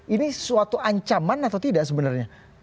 ini suatu ancaman atau tidak sebenarnya